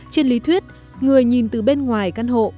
trên lý thuyết người nhìn từ bên ngoài căn hộ